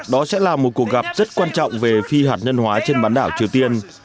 đó sẽ là một cuộc gặp rất quan trọng về phi hạt nhân hóa trên bán đảo triều tiên